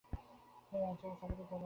তিনি অনেক জায়গায় চাকুরী করেন।